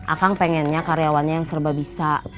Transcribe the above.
akang pengennya karyawannya yang serba bisa